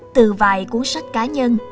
từ vài cuốn sách cá nhân